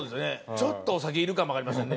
ちょっとお酒いるかもわかりませんね。